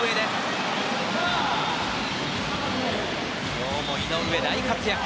今日も井上が大活躍。